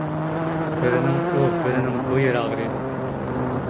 بىرىنىڭ ئۇ، بىرىنىڭ بۇ يېرى ئاغرىيدۇ.